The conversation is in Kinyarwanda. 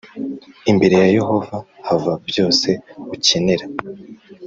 imbere ya Yehova hava byose ukenera